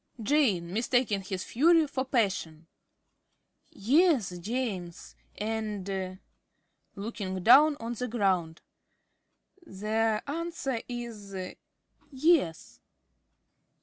~Jane~ (mistaking his fury for passion). Yes, James. And (looking down on the ground) the answer is "Yes."